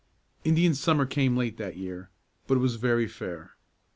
Indian Summer came late that year, but it was very fair.